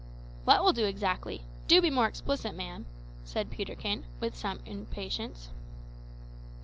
"What will do exactly? Do be more explicit, man," said Peterkin, with some impatience.